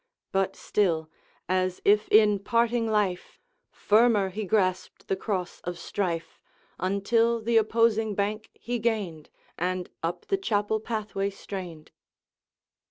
But still, as if in parting life, Firmer he grasped the Cross of strife, Until the opposing bank he gained, And up the chapel pathway strained.